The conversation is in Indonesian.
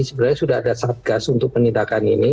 sebenarnya sudah ada saat gas untuk penindakan ini